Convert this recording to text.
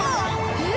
えっ！？